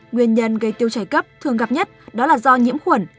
nguyên nhân gây tiêu chảy cấp thường gặp nhất đó là do nhiễm khuẩn